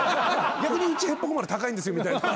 「逆にうちへっぽこ丸高いんですよ」みたいな。